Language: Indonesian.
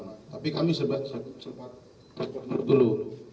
tapi kami sempat mencobok dulu